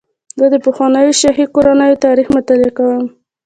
زه د پخوانیو شاهي کورنیو تاریخ مطالعه کوم.